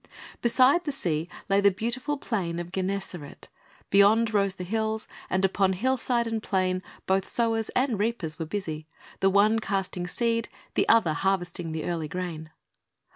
Beside the sea lay the beautiful plain of Gennesaret, beyond rose the hills, and upon hillside and plain both sowers and reapers were busy, the one casting seed, and the other harvesting the early grain.